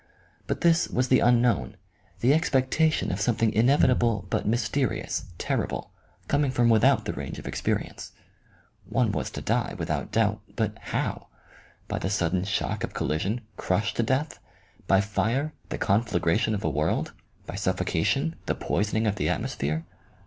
But this was the unknown, the expectation of something inevitable but mysterious, terri ble, coming from without the range of experience. One was to die, without doubt, but how ? By the sudden shock of collision, crushed to death ? By fire, the conflagration of a world ? By suffocation, the poisoning of the atmos phere